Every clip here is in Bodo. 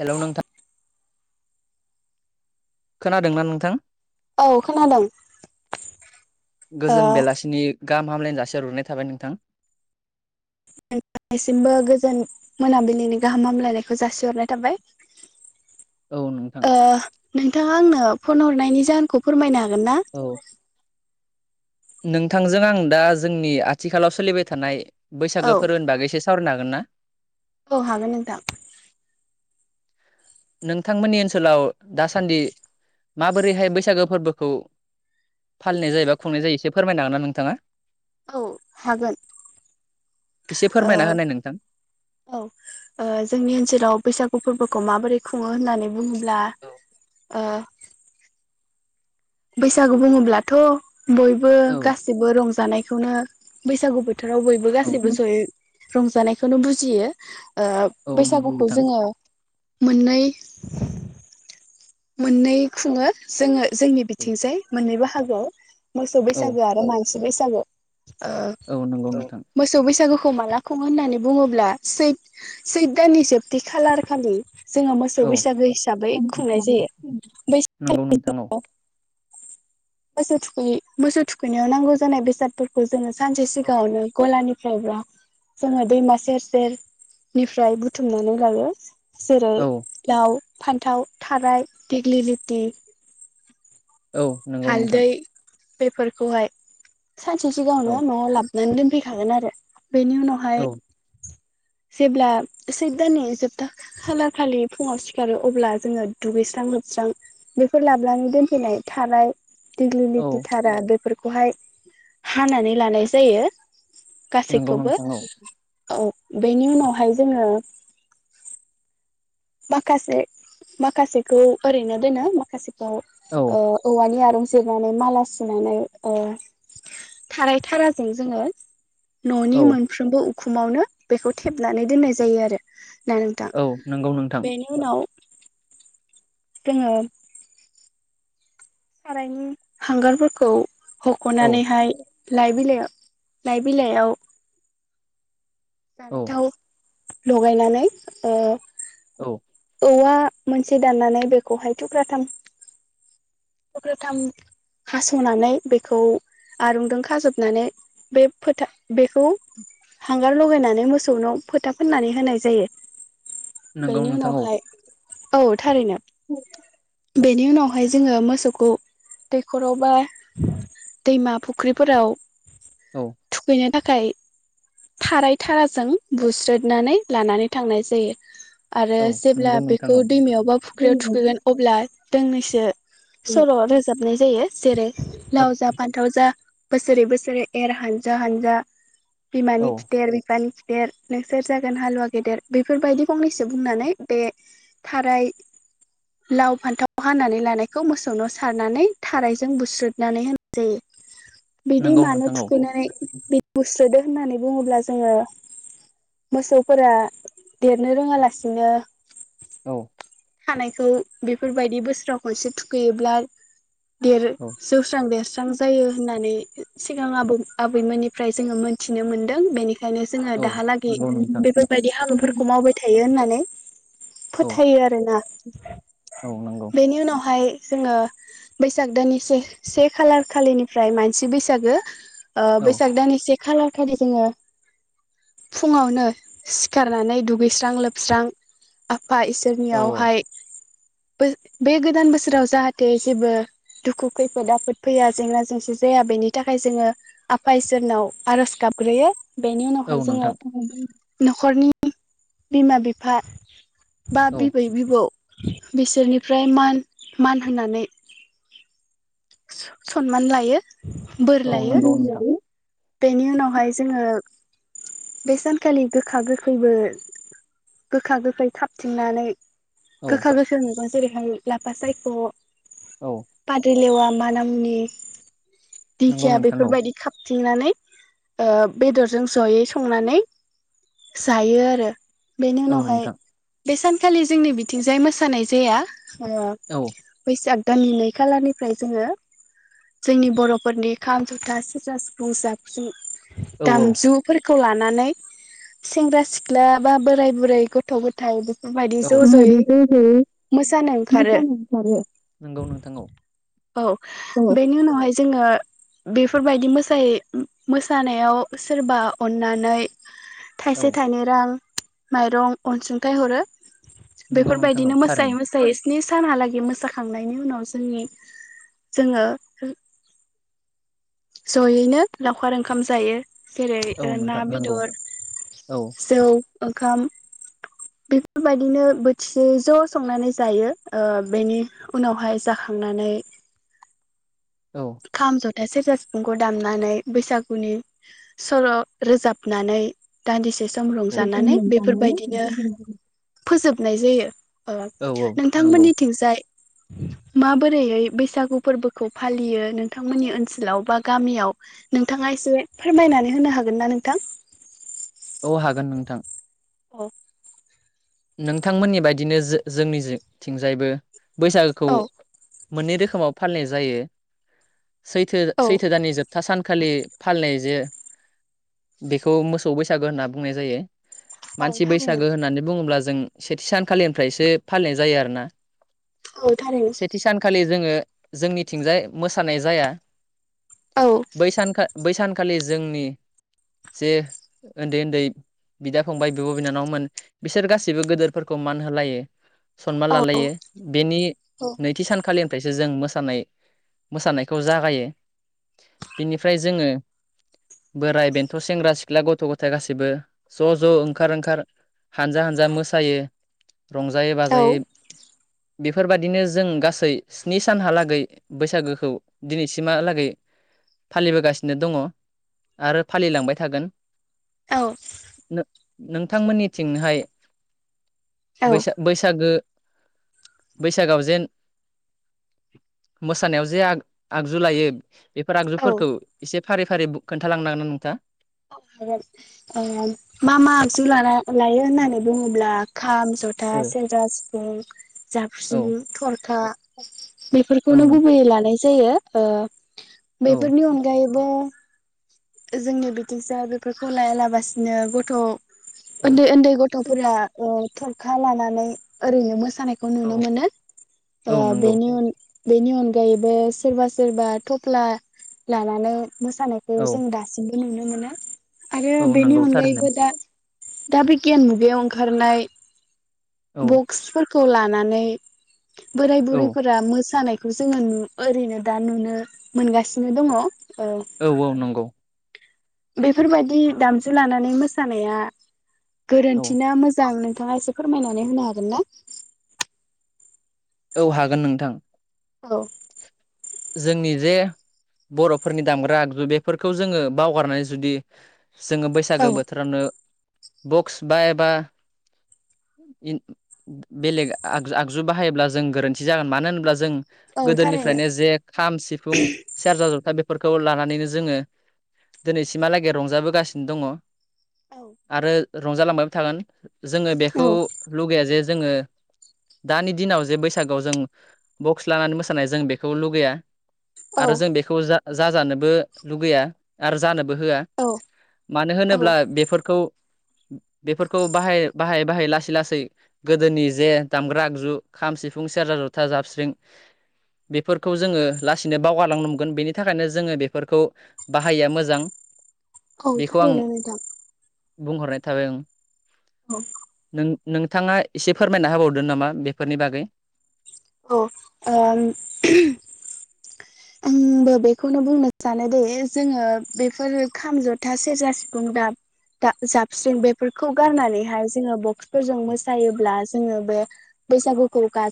हेलौ नोंथां खोनादोंना नोंथां? औ खोनादों ओ गोजोन बेलासिनि गाहाम हामलायनाय जासिहरग्रोनाय थाबाय नोंथां। नोंथांनिसिमबो गोजोन मोनाबिलिनि गाहाम हामलायनायखौ जासिहरनाय थाबाय। औ नोंथां ओ नोंथाङा आंनो फन हरनायनि जाहोनखौ फोरमायना हा गोनना औ नोंथांजों आं दा जोंनि आथिखालाव सोलिबाय थानाय औ बैसागो फोर होन बागैसोस सावरायनो हागोन ना? औ हागोन नोंथां। नोंथांमोननि ओनसोलाव दासान्दि माबोरैहाय बैसागो फोरबोखौ फालिनाय जायोबा खुंनाय जायो एसे फोरमायनो हागोन ना नोंथाङा? औ हागोन एसे फोरमायना होनाय नोंथां ओ जोंनि ओनसोलाव बैसागु फोरबो खौ माबोरै खुङो होननानै बुङोब्ला औ ओ बैसागु बुङोब्लाथ' बयबो औ गासिबो रंजानायखौनो बैसागुबो थोराव बयबो औ गाससिबो जहै रंजानायखौनो बुजियो । औ ओ नंगौ बैसागुखौ नोंथां जोङो मोननै मोननै खुङो जोङो जोंनि बिथिं जाय मोननैबो बाहागोआव मोसौ औ बैसागो आरो मान सि बैसाबगु। ओ नंगौ औ नोंथां मोसौ बैसागु खौ माला खङो होननानै बुङोब्ला सै सैद दाननि जोबथि खालार खालि । जोङो मोसौ औ बैसागो हिसाबै खुंनाय जायो । नंगौ नोंथां औ मोसौ थुखै मोसौ थुखैनायाव नांगौ जानाय बेसादफोरखौ जोङो सानसे सिगाङावनो गलानिफ्रायब्लाा जोङो दैमा सेर सेरनिफ्राय बुथुमनानै लायो । जेरै औ लाव फान्थाव थाराय दिग्लिलिथि औ नंगौ नोंथां । बेफोरखौहाय सानसे सिगावनो औ न'आव लाब नानै दोनफैखागोन आरो । बेनि उनावहाय औ जेब्ला सै दाननि जोबथा खालार खालि फुङाव सिखारो अब्ला जोङो दुगैस्रां लोबस्रां बेफोर लाबानै दोनफैनाय थानाय औ दिग्लिनिथिथारा बेफोर खौहाय हानानै लानाय जायो । नंगौ गासैखौबो नोंथां औ । बेनि उनावहाय जोङो माखासे माखासेखौ ओरैनो दोनो माखासे औ औवानि आरो जिरनानै माला सुनानै ओ थाराय थाराजों जोङो ननि औ मोनफ्रोमबो उ खुमावनो बेखौ थेबनानै दोननाय जायो आरो ना नोंथां औ नंगौ नों बेनि उनाव जोङो सारायनि हांगारफोरखौ औ हखनानैहाय लाय बिलाइ लाइ बिलायाव जानाय औ थाव लगायनानै ओ औ औवा मोनसे दाननानै बेखौहाय थुख्राथाम थुख्राथाम हासनानै बेखौ आरुंजों खाजोबनानै बे फोथा बेखौ हांगार लगायनानै मोसौनो फोथा फोननानै होनाय जायो नंगौ बेनि नोंथां उनावहाय औ थारैनो औ बेनि उनावहाय जोङो मोसौखौ दैखराव बा दैमा फुख्रिफोराव औ बिनि थाखाय थाराय थाराजों बुस्रोदनानै लानानै थांनाय जायो आरो औ जेब्ला नंगौ नोंथां बेखौ औ दैमायावबा फुख्रियाव थुखैगोन अब्ला दोंनैसो औ सल रोजाब नाय जायो जेरै लावजा फान्थाव जा बोसोरै बोसोरै एर हानजा हानजा बिमानि औ खिटेर बिफानि खि थेर नोंसोर जागोन हालुवा गेदेर बेफोरबायदि फंनैसो बुंनानै बे थाराय लाव फान्थाव हानानै लानायखौ मोसौनाव सारनानै थारायजों बुस्रुदनानै होनाय जायो बिदि नंगौ मानो नोंथां औ थुखैनानै बिदि बुस्रोदो? होननानै बुङोब्ला जोङो मोसौफोरा देरनो रोङालासिनो औ थानायखौ बेफोरबायदि बोसोराव खनसे थुखैयोब्ला देरो औ जौस्रां देरस्रां जायो होननानै सिगां आबौ आबैमोननिफ्राय जोङो मोनथिनो मोनदों बेनि खायनो जोङो औ दाहालागि नंगौ नोंथां बेफोरबायदि हाबाफोरखौ मावबाय थायो होनना [inaudible] औ फोथायो आरोना औ नंगौ बेनि न बेहाय जोङो बैसाग दाननि से खालार खालिनिफ्राय मानसि बैसागो औ बैसाग दान निस खालार खालि जोङो फुङावनो सिखारनानै दुगैस्रां लोबस्रां एफा औ इसोरनियावहाय बे गोदान बोसोराव जाहाथे जेबो दुखु खैफोद आफोद फैया जेंना जेंसि जाया बेनि थाखाय जोङो आफा इसोरनाव आर'ज गाबग्रोयो बेनि औ उनावहाय नोंथां जोङो न'खरनि द बिमा बिफा बा औ बिबै बिबौ बिसोरनिफ्राय मान मान होननानै सनमान लायो बोर औ लायो नंगौनि बेनि उनावहाय जोङो बे सानखालि गोखा गोखैबो गोखा गोखै थाबफिननानै औ गोखाा गोस न लाफा सायखौ औ पाद लेवा मानामुनि नंगौ दिंखिया नोंथां औ बेफोरबायदि थथिंनानै बेदरजों जयै संनानै जायो आरो बेनि औ उनावहाय नोंथां बे सानखालि जोंनि बिथिंजाय मोसानाय जाया अ औ फैसा दाननि नै खालारनिफ्राय जोङो जोंनि बर'फोरनि खाम जथा सिरजा सिफुं जाबसुं औ गामजुफोर खौ लानानै सेंग्रा सिख्ला माबा बोराय बुरै गथ' गथाय बे बायदि ज' ज'यै मोसानो ओंखारो मोजां मोनथारो नंगौ नोंथां औ औ औ बेनि उनावहाय जोङो बेफोरबायदि मोसायो मोसानायाव सोरबा अननानै औ थाइसे थाइनै रां माइरं अनसुंथाइ हरो नंगौ नोंथां औ बेफोरबायदिनो थारैनो मोसायै मोसायै स्नि सानहालागै मोसाखांनायनि उनाव जोंनि जोंङो जयैनो लावखार ओंखाम जायो। जेरै औ ना नोंथां नंगौ बेदर औ जौ ओंखाम बेफोरबायदिनो बोथिसे ज' संनानै जायो बेनि उनावहाय जाखांनानै औ खाम ज था सेरजा सिफुंखौ दामनानै बैसागुनि सल' रोजाबनानै दान्दिसे सम रंजानानै बेफोरबायदिनो [unintelligible] फोजोबनाय जायो ओ औ औ नंगौ नोंथांमोननिथिंजाय माबोरैयै बैसागु फोरबोखौ फालियो नोंथांमोननि ओनसोलाव बा गामियाव नोंथाङा एसे फोरमायनानै होनो हागोन ना नोंथां औ हागोन नोंथां औ नोंथांमोननि बायदिनो जो-जोंनिथिंजायबो बैसागोखौ औ मोननै रोखोमाव फालिनाय जायो सैथो-सैथो दाननि जोबथा सान खालि फालिनाय जे बेखौ मोसौ बैसागो होनना बुंनाय जायो। औ मानसि थारैनो बैसागो होननानै बुङोब्ला जों सेथि सानखालिनिफ्रायसो फालिनाय जायो आरोना औ थारैनो सेथि सानखालि जोंङो जोंनिथिंजाय मोसानाय जाया औ बैसान-बैसान खालि जोंनि जे उन्दै-उन्दै बिदा फंबाय बिब' बिनानावमोन बिसोर गा सैबो गेदोरफोरखौ मान होलायो। सनमान औ लालायो बेनि औ नैथि सानखालिनिफ्रायसो जों मोसानाय-मोसानायखौ जागायो बिनिफ्राय जोंङो बोराय बेन्थ' सेंग्रा सिख्ला गथ' गथाय गासिबो ज' ज' ओंखार ओंखार हानजा-हानजा मो सायो। रंजायै बाजायै औ बेफोर बादिनो जों गासै स्नि सानहालागै बैसागोखौ दिनैसिमहालागै फालिबो गासिनो दंङ आरो फालिलांबाय थागोन। औ नोंथांमोननिथिंहाय औ बैसा-बैसागो बैसागोआव जेन मोसानायाव जे आग-आगजु लायो बेफोर औ आगजुफोरखौ एसे फारि-फारि ब खोन्थालांनां हागोन ना नोंथाङा हागोन ओ मा मा आगजु लाना लायो होननानै बुङोब्ला, खाम जथा सेरजा सि [unintelligible] औ जाबस्रिं थ'रखा औ बेफोरखौनो नों गुबैयै लानाय जायो। ओ औ बेफोरनि अनगायै [unintelligible] जोंनि बिथिंसो बेफोरखौ लायालाबसिनो गथ' औ उन्दै उन्दै गथ'फोरा ओ थरखा लानानै ओरैनो मोस सानायखौ औ नुनो मोनो ओ औ नंगौ बेनि उन बेनि अनगायैबो सोरबा सोरबा थफ्ला लानानै, मोसानायखो औ जों दासिमबो नुनो मोना आरो औ बेनि नंगौ थारैनो अनगायैबो दा दा बिगियान मुगायाव ओंखारनाय, औ बक्सफोरखौ ला नानै बोराय औ बुरैफोरा मोसानाय जोङो नु ओरैनो दा नुनो मोनगासिनो दङ, औ औ नंगौ बेफोरबायदि दामजु लानानै मोसानाया, औ गोरोन्थिना मोजां नों नोंथाङा एसे फोरमायनानै होनो हागोन ना? औ हागोन नोंथां, औ जोंनि जे बर'फोरनि दामग्रा आगजु बेफोरखौ जोङो बावगारनानै जुदि, जोङो बैसागो औ बोथोरावनो, बक्स बा एबा इन बेलेग आगजु बाहायोब्ला जों गोरोन्थि जागोन मानो होनब्ला जों औ थारैनो गोदोनिफ्रायनो जे खाम सिफुं सेरजा जथा बेफोरखौ लानानैनो जोङो दिनैसिमहालागै रंजाबोगासिनो दङ, औ आरो रंजालांबायाबो थागोन। जोङो बेखौ लुगैया जे जोङो दानि दिनाव जे बैसागोआव जों बक्स लानानै मोसानाय जों बेखौ लुगैया। आरो औ जों बेखौ जा जाजानोबो लुगैया आरो जानो बो होआ औ मानो औ होनोब्ला बेफोरखौ [inaudible] बेफोरखौ बाहाय बाहाय बाहाय लासै लासै गोदोनि जे दामग्रा आगजु खाम सिफुं सेरजा जथा जाबस्रिं बेफोरखौ जोङो लासैनो बावगारलांगोन बेनि थाखायनो जोङो बेफोरखौ बाहायिया मोजां। औ बेखौ आं थारैनो नोंथां। बुंहरनाय थाबाय आं‌ औ नोंथाङा एसे फोरमायना होबावदो नामा बेफोरनि बागै औ ओम आंबो बेखौनो बुंनो सानो दे जोङो बेफोरो खाम जथा सेरजा सिफुं दाब जाबस्रिं बेफोर फोरखौ गारनानैहाय जोङो बक्स फोरजों मोसायोब्ला जोङो बे बैसागु खौ गा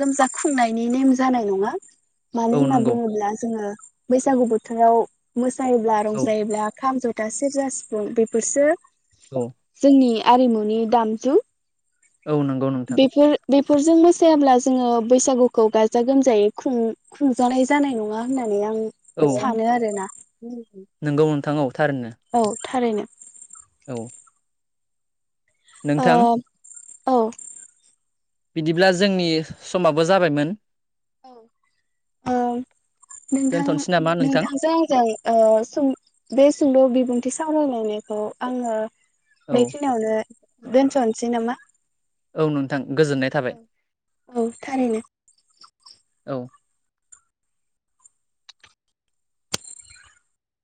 गोमजा खुंनायनि ने जानाय नङा। मानो औ होनना नंगौ बुङोब्ला जोङो। बैसागु बोथोराव मोसा जायोब्ला औ रंजायोब्ला खाम जथा सेरजा सि बेफोरसो औ जोंनि आरिमुनि दामसु औ नंगौ नोंथां बेफोरजों मोसायाब्ला जोङो बैसागुखौ गाजा गोमजायै खुंजानाय जानाय नङा होननानै आं सानो आरोना नोंगौ नोंथां औ थारनो औ थारैनो औ ओ नोंथां औ बिदिब्ला जोंनि समाबो जाबायमोन औ नथां दोनथ'नोसै नामा नोंथां नोंथांजों आंजों बे सुंद' बिबुंथि सावरायलायनायखौ आङो औ बेखिनियावनो दोनस'नोसै नामा औ नोंथां गोजोननाय औ थाबाय औ थारैनो औ